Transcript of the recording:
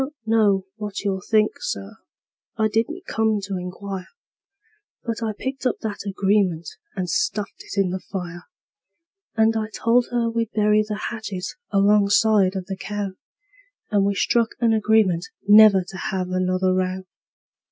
I don't know what you'll think, Sir I didn't come to inquire But I picked up that agreement and stuffed it in the fire; And I told her we'd bury the hatchet alongside of the cow; And we struck an agreement never to have another row.